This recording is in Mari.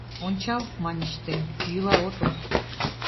— Ончал, — маньыч тый, — йӱла отыл.